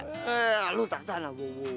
he lu tersana